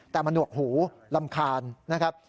แต่มันหวกหูรำคาญนะครับ